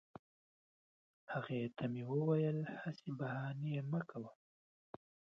هغې ته مې وویل هسي بهانې مه کوه